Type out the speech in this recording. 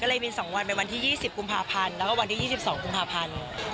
ก็เลยบิน๒วันไปวันที่๒๐กุมภาพันธ์แล้วก็วันที่๒๒กุมภาพันธ์